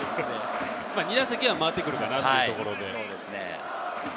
２打席は回ってくるかなっていうところでね。